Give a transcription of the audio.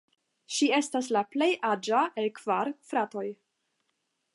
Ŝi estis la plej aĝa el kvar fratoj.